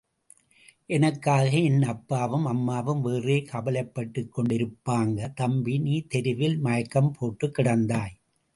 எனக்காக என் அப்பாவும் அம்மாவும் வேறே கவலைப்பட்டுக் கொண்டிருப்பாங்க. தம்பி, நீ தெருவில் மயக்கம் போட்டுக் கிடந்தாய்.